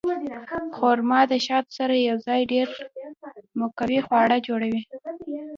خرما د شاتو سره یوځای ډېر مقوي خواړه جوړوي.